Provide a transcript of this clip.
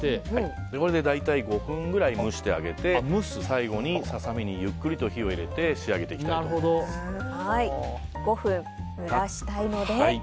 これで大体５分くらい蒸してあげて最後にササミにゆっくりと火を入れて５分蒸らしたいので。